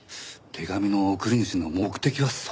手紙の送り主の目的はそれか。